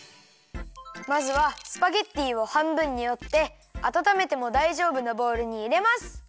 まずはスパゲッティをはんぶんにおってあたためてもだいじょうぶなボウルにいれます。